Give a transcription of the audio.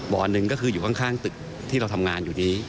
หนึ่งก็คืออยู่ข้างตึกที่เราทำงานอยู่นี้